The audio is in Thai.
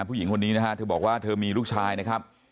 ผู้หญิงคนนี้นะฮะเธอบอกว่าเธอมีลูกชายนะครับ